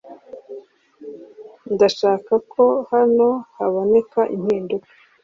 Ndashaka ko hano haboneka impinduka